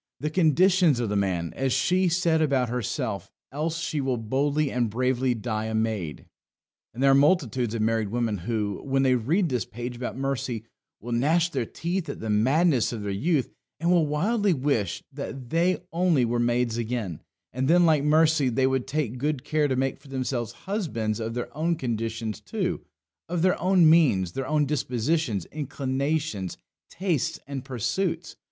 The conditions of the man, as she said about herself; else she will boldly and bravely die a maid. And there are multitudes of married women who, when they read this page about Mercy, will gnash their teeth at the madness of their youth, and will wildly wish that they only were maids again; and, then, like Mercy, they would take good care to make for themselves husbands of their own conditions too of their own means, their own dispositions, inclinations, tastes, and pursuits.